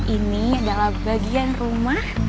ini adalah bagian rumah